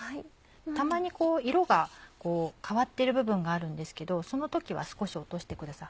たまに色が変わってる部分があるんですけどその時は少し落としてください。